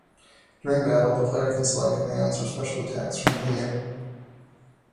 During battle the player can select commands or special attacks from a menu.